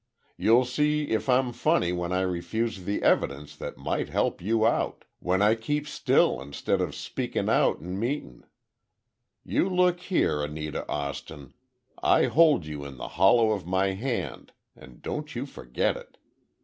You'll see if I'm funny when I refuse the evidence that might help you out. When I keep still instead of speakin' out in meetin'! You look here, Anita Austin, I hold you in the hollow of my hand, and don't you forget it!